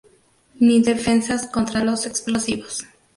Ni defensas contra los explosivos.